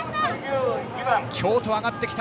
京都、上がってきた。